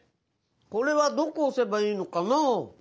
これはどこ押せばいいのかな？